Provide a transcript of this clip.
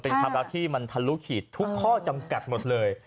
เป็นความรักที่มันทะลุขีดทุกข้อจำกัดหมดเลย